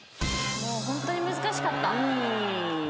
ホントに難しかった。